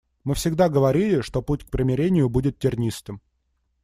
Мы всегда говорили, что путь к примирению будет тернистым.